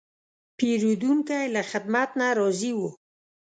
پیرودونکی له خدمت نه راضي و.